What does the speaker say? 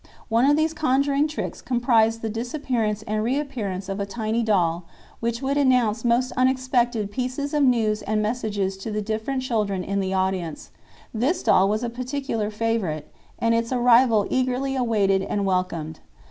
One of these conjuring tricks comprised the disappearance and reappearance of a tiny doll, which would announce most unexpected pieces of news and messages to the different children in the audience; this doll was a particular favorite, and its arrival eagerly awaited and welcomed.